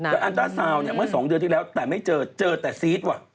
แล้วอันตราซาวเมื่อสองเดือนที่แล้วแต่ไม่เจอเจอแต่ซีส